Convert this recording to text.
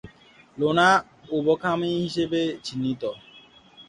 Luna উভকামী হিসেবে চিহ্নিত।